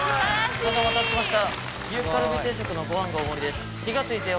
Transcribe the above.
立派にお待たせしました。